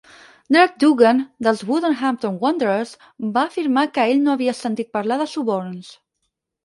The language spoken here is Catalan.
Derek Dougan, dels Wolverhampton Wanderers, va afirmar que ell no havia sentit parlar de suborns.